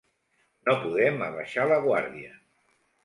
No podem abaixar la guàrdia.